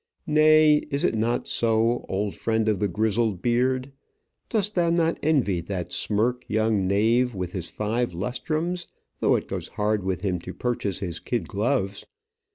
Nay, is it not so, old friend of the grizzled beard? Dost thou not envy that smirk young knave with his five lustrums, though it goes hard with him to purchase his kid gloves?